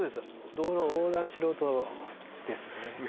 道路を横断してる音ですね